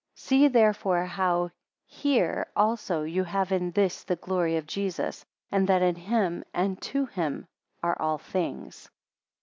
See therefore how here also you have in this the glory of Jesus; and that in him and to him are all things.